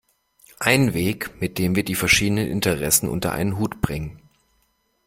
Ein Weg, mit dem wir die verschiedenen Interessen unter einen Hut bringen.